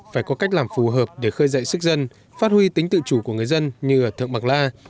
phải có cách làm phù hợp để khơi dậy sức dân phát huy tính tự chủ của người dân như ở thượng bằng la